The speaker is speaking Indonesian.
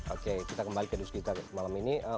oke kita kembali ke dukung gita malam ini